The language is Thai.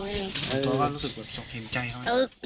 เธอก็รู้สึกเห็นใจเขาเนี่ย